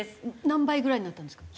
何倍ぐらいになったんですか？